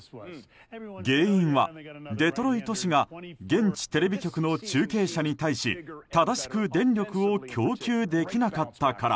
原因はデトロイト市が現地テレビ局の中継車に対し正しく電力を供給できなかったから。